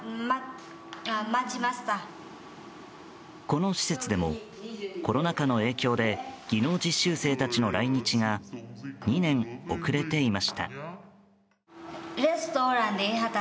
この施設でもコロナ禍の影響で技能実習生たちの来日が２年遅れていました。